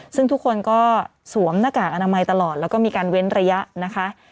ซึ่งทุกคนก็สวมหน้ากากอนามัยตลอดแล้วก็มีการเว้นระยะนะคะ